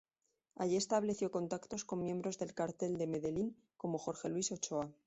Allí estableció contactos con miembros del Cartel de Medellín, como Jorge Luis Ochoa.